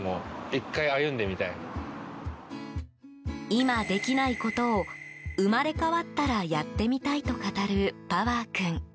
今できないことを生まれ変わったらやってみたいと語るパワー君。